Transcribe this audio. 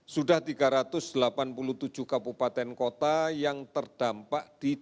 sudah tiga ratus delapan puluh tujuh kabupaten kota yang terdampak di tiga puluh masjid